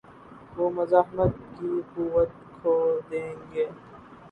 وہ مزاحمت کی قوت کھو دیں گے۔